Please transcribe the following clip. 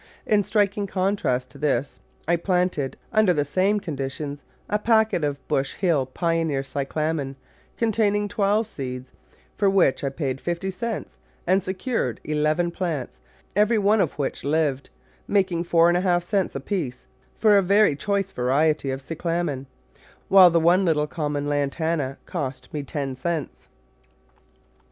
In striking contrast to this I planted, under the same conditions, a packet of Bush Hill Pioneer Cyclamen containing twelve seeds, for which I paid fifty cents, and secured eleven plants, every one of which lived, making four and a half cents apiece for a very choice variety of Cyclamen, while the one little common Lantana cost me ten cents.